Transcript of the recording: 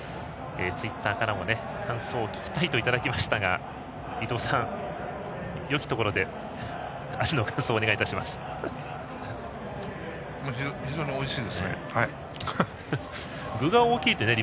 ツイッターからも感想を聞きたい！といただきましたが伊東さん、よきところで非常においしいですね。